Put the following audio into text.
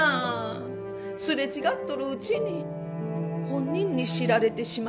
擦れ違っとるうちに本人に知られてしまったんじゃ。